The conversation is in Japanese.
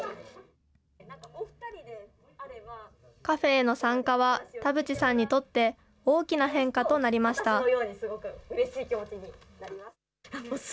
カフェへの参加は田渕さんにとって、大きな変化となりました。